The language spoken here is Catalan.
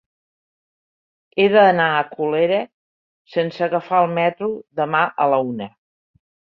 He d'anar a Colera sense agafar el metro demà a la una.